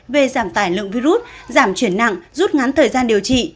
về giảm tải lượng virus giảm chuyển nặng rút ngắn thời gian điều trị